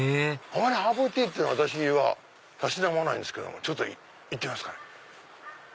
あまりハーブティーって私はたしなまないんですけどちょっと行ってみますかね。